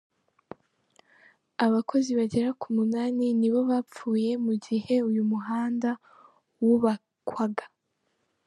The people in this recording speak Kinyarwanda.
Abakozi bagera ku munani nibo bapfuye mu gihe uyu muhanda wubakwaga.